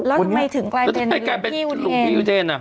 แล้วทำไมถึงกลายเป็นหลุงพี่อุเทน